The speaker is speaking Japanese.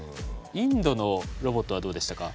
インドのロボットはどうでしたか？